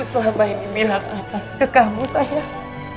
ibu selama ini milah ke atas ke kamu sayang